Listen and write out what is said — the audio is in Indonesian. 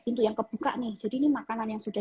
pintu yang kebuka nih jadi ini makanan yang sudah